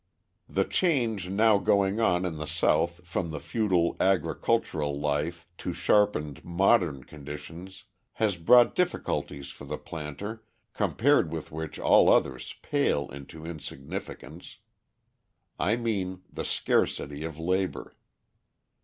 The change now going on in the South from the feudal agricultural life to sharpened modern conditions has brought difficulties for the planter compared with which all others pale into insignificance. I mean the scarcity of labour.